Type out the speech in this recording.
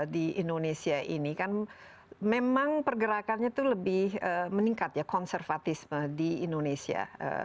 di indonesia ini kan memang pergerakannya itu lebih meningkat ya konservatisme di indonesia